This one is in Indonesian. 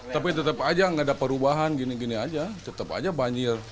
tapi tetap aja nggak ada perubahan gini gini aja tetap aja banjir